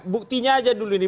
buktinya aja dulu ini